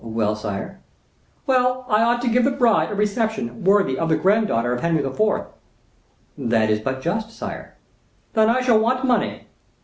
"Well, sire?" "Well, I ought to give the bride a reception worthy of the granddaughter of Henry IV." "That is but just, sire." "Then I shall want money."